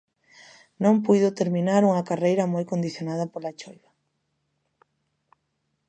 Non puido terminar unha carreira moi condicionada pola choiva.